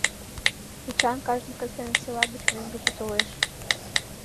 Эчан кажне кастене села гыч мӧҥгыжӧ толеш.